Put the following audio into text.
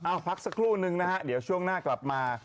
เอาพักสักครู่นึงนะฮะเดี๋ยวช่วงหน้ากลับมา